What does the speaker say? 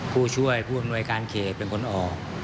ผู้ช่วยผู้อำนวยการเขตเป็นคนออก